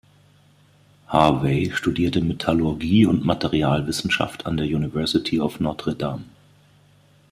Harvey studierte Metallurgie und Materialwissenschaft an der University of Notre Dame.